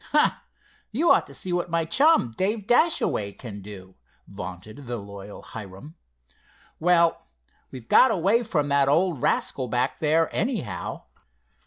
"Huh! you'd ought to see what my chum, Dave Dashaway, can do," vaunted the loyal Hiram. "Well, we've got away from that old rascal back there, anyhow."